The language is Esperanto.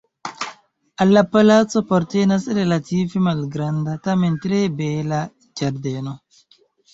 Al la palaco apartenas relative malgranda, tamen tre bela ĝardeno.